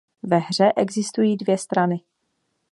Ve hře existují dvě strany.